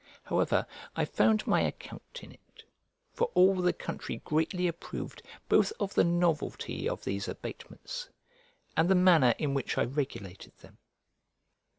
However, I found my account in it; for all the country greatly approved both of the novelty of these abatements and the manner in which I regulated them.